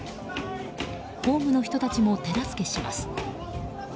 ホームの人たちも手助けします。